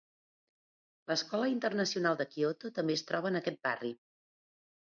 L'Escola Internacional de Kyoto també es troba en aquest barri.